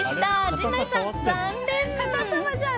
陣内さん、残念。